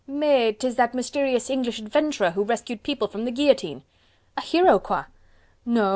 "Mais! 'tis that mysterious English adventurer who rescued people from the guillotine!" "A hero? quoi?" "No!